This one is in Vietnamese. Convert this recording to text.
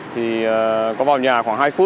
thì có vào nhà khoảng hai phút